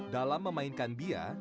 dalam memainkan bia